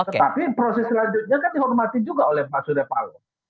tetapi proses selanjutnya kan dihormati juga oleh pak surya paloh